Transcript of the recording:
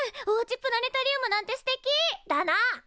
おうちプラネタリウムなんてすてき！だな！